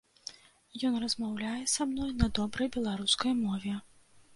Ён размаўляе са мной на добрай беларускай мове.